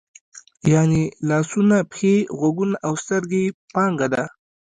یعنې لاسونه، پښې، غوږونه او سترګې یې پانګه ده.